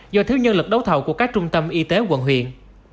do thiếu nhân lực đấu thầu của các trung tâm y tế quận huyện